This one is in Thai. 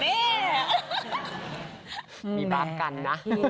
มีภาพกันนะ